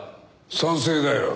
賛成だよ。